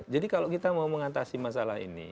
kalau kita mau mengatasi masalah ini